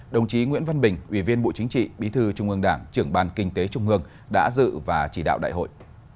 đồng chí nguyễn văn bình ủy viên bộ chính trị bí thư trung ương đảng trưởng ban kinh tế trung ương đã dự và chỉ đạo đại hội